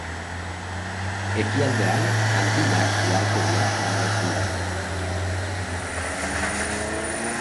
Ekialdean Antillak uhartediak mugatzen du.